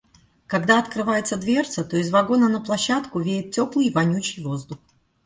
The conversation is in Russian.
Когда открывается дверца, то из вагона на площадку веет теплый и вонючий воздух.